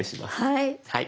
はい。